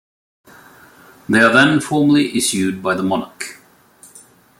They are then formally issued by the monarch.